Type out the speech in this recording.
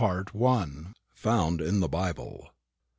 FOUND IN THE BIBLE.